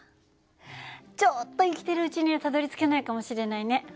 ちょっと生きてるうちにはたどりつけないかもしれないね。